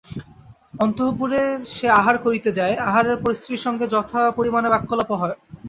অন্তঃপুরে সে আহার করিতে যায়, আহারের পর স্ত্রীর সঙ্গে যথাপরিমাণে বাক্যালাপও হয়।